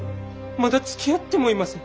まだつきあってもいません。